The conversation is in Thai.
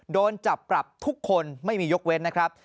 โดนจับปรับทุกคนไม่มียกเว้นนะครับ